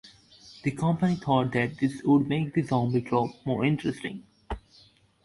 The company thought that this would make the zombie trope more interesting.